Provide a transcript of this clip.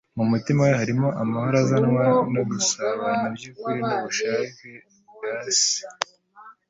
mu mutima we harimo amahoro azanwa no gusabana by'ukuri n'ubushake bwa Se,